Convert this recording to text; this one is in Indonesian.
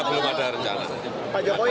belum ada rencana